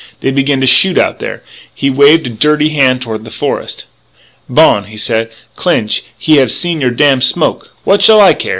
they begin to shoot out there " He waved a dirty hand toward the forest. "'Bon,' said I, 'Clinch, he have seen your damn smoke!' "'What shall I care?'